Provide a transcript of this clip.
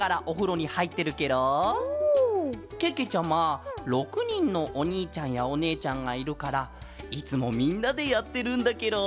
けけちゃま６にんのおにいちゃんやおねえちゃんがいるからいつもみんなでやってるんだケロ。